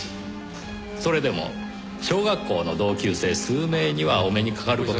それでも小学校の同級生数名にはお目にかかる事が出来ましたが。